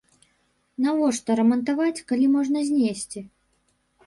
Навошта рамантаваць, калі можна знесці?